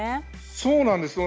そうなんです。